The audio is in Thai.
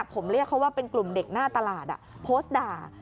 ผมเรียกเขาว่าเป็นกลุ่มเด็กหน้าตลาดโพสต์ด่า